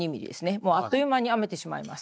もうあっという間に編めてしまいます。